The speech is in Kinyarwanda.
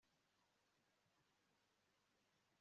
Ndashaka Nimbona nzakurura uwo mwenda